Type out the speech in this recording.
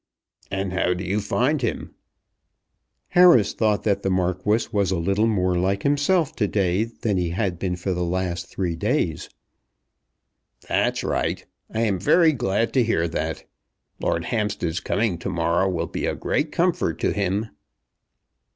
"And how do you find him?" Harris thought that the Marquis was a little more like himself to day than he had been for the last three days. "That's right. I am very glad to hear that. Lord Hampstead's coming to morrow will be a great comfort to him."